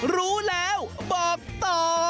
รู้แล้วบอกต่อ